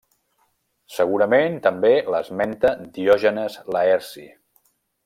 Segurament també l'esmenta Diògenes Laerci.